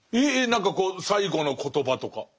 何か最後の言葉とか。